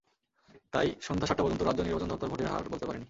তাই সন্ধ্যা সাতটা পর্যন্ত রাজ্য নির্বাচন দপ্তর ভোটের হার বলতে পারেনি।